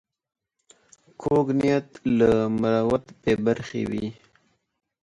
کوږ نیت له مروت بې برخې وي